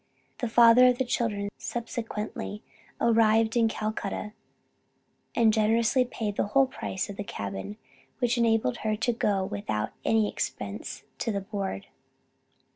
The father of the children subsequently arrived in Calcutta, and generously paid the whole price of the cabin, which enabled her to go without any expense to the Board.